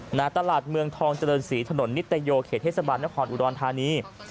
หน้าตลาดเมืองทองเจริญศรีถนนนิตโยเขตเทศบาลนครอุดรธานี